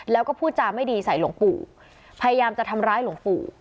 แล้วก็พูดจาไม่ดีใส่หลวงปู่พยายามจะทำร้ายหลวงปู่